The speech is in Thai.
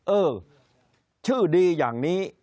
เออชื่อดีอย่างนี้